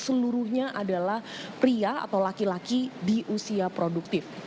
seluruhnya adalah pria atau laki laki di usia produktif